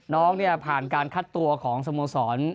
น้องเนี่ยผ่านการคัดตัวของสโมสร